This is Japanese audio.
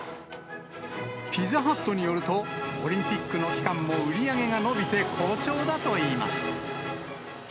ピザハットによると、オリンピックの期間も売り上げが伸びて好調だといいます。